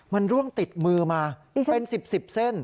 มันร่วงติดมือมาเป็น๑๐๑๐เส้น